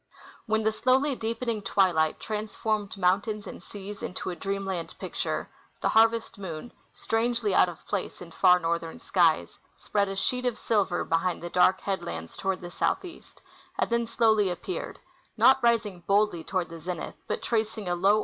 When the slowly deepening twilight transformed mountains and seas into a dreamland picture, the harvest moon, strangely out of place in far northern skies, spread a sheet of silver behind the dark headlands toward the southeast, and then slowly appeared, not rising boldly toward the zenith, but tracing a low 88 I.